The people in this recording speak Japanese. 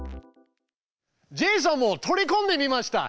ジェイソンも取りこんでみました。